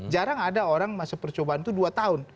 jarang ada orang masa percobaan itu dua tahun